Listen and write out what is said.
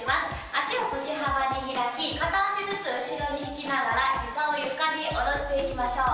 足を腰幅に開き、片足ずつ後ろに引きながら、ひざを床に下ろしていきましょう。